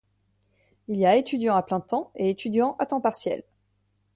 Il y a étudiants à plein temps et étudiants à temps partiel.